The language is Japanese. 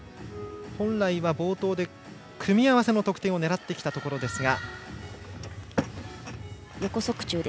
冒頭で組み合わせ得点を狙ってきたところですが。